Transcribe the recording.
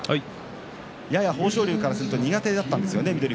豊昇龍からすると翠富士は苦手だったんですよね。